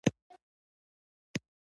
د تور مالګې بوی توند وي.